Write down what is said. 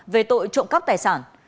về tội trộm cắt tài sản